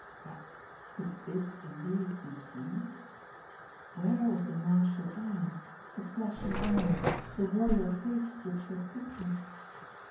But could this indeed be he? Where was the martial air, the flashing eye, the warrior face which she had pictured?